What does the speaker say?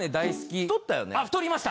太りました。